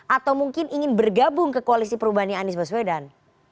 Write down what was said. atau mungkin ingin bergabung ke koalisi perubahannya anies baswedan